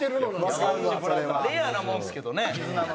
レアなもんですけどね。